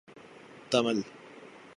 Tamil